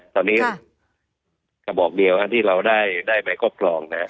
ตอนนี้กระบอกเดียวที่เราได้ใบครอบครอง